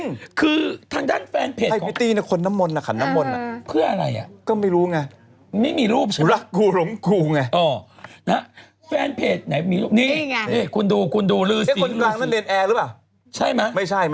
อยืนลนน้ำมนขนน้ำมนเองด้วย